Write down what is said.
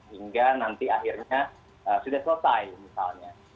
hingga nanti akhirnya sudah selesai misalnya